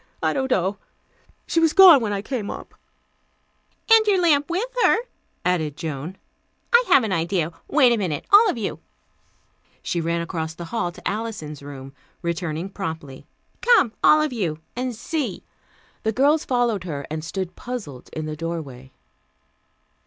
"I don't know. She was gone when I came up." "And your lamp with her," added Joan. "I have an idea. Wait a minute, all of you." She ran across the hall to Alison's room, returning promptly. "Come, all of you, and see." The girls followed her, and stood puzzled in the doorway.